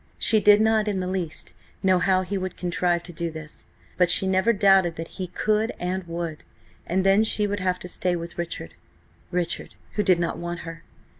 She did not in the least know how he would contrive to do this, but she never doubted that he could and would. And then she would have to stay with Richard–Richard, who did not want her.